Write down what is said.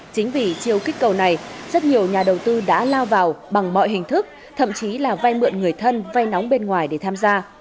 chính vì chiều kích cầu này rất nhiều nhà đầu tư đã lao vào bằng mọi hình thức thậm chí là vay mượn người thân vay nóng bên ngoài để tham gia